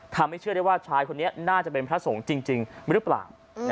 เชื่อได้ว่าชายคนนี้น่าจะเป็นพระสงฆ์จริงหรือเปล่า